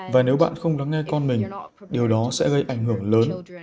và nếu bạn không lắng nghe con mình điều đó sẽ gây ảnh hưởng lớn